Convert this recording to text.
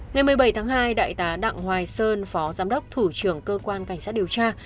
ngày một mươi bảy tháng hai đại tá đặng hoài sơn phó giám đốc thủ trưởng cơ quan cảnh sát điều tra